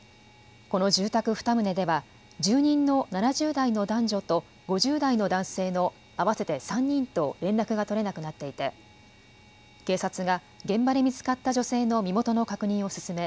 この住宅２棟では住人の７０代の男女と５０代の男性の合わせて３人と連絡が取れなくなっていて警察が現場で見つかった女性の身元の確認を進め